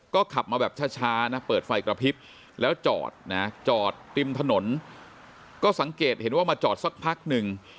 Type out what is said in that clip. ก็ขับมาแบบช้านะเปิดไฟกระพริบแล้วจอดนะจอดริมถนนก็สังเกตเห็นว่ามาจอดสักพักหนึ่ง